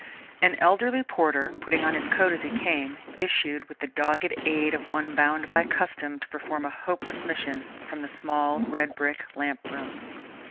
An elderly porter, putting on his coat as he came, issued, with the dogged aid of one bound by custom to perform a hopeless mission, from the small, redbrick lamp room.